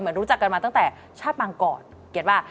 เหมือนรู้จักกันมาตั้งแต่ชาติปังก่อนเห็นป่ะ